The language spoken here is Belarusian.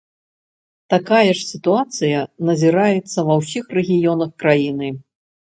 Такая ж сітуацыя назіраецца ва ўсіх рэгіёнах краіны.